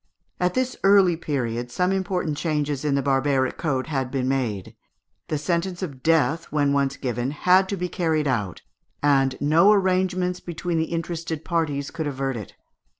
At this early period some important changes in the barbaric code had been made: the sentence of death when once given had to be carried out, and no arrangements between the interested parties could avert it.